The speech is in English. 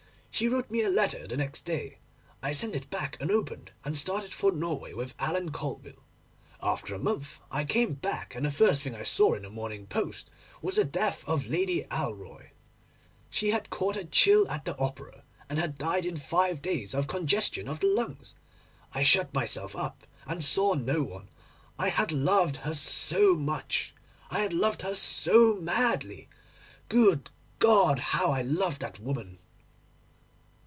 She wrote me a letter the next day; I sent it back unopened, and started for Norway with Alan Colville. After a month I came back, and the first thing I saw in the Morning Post was the death of Lady Alroy. She had caught a chill at the Opera, and had died in five days of congestion of the lungs. I shut myself up and saw no one. I had loved her so much, I had loved her so madly. Good God! how I had loved that woman!